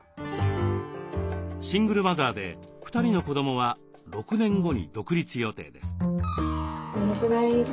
シングルマザーで２人の子どもは６年後に独立予定です。